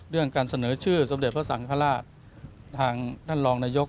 เรื่องการเสนอชื่อสมเด็จพระสังฆราชทางท่านรองนายก